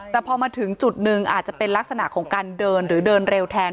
แต่พอมาถึงจุดหนึ่งอาจจะเป็นลักษณะของการเดินหรือเดินเร็วแทน